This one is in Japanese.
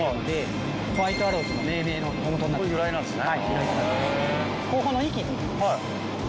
由来なんですね。